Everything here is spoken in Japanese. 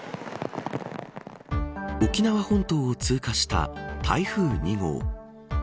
沖縄本島を通過した台風２号。